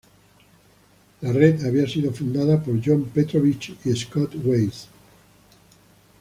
La red había sido fundada por Jon Petrovich y Scott Weiss.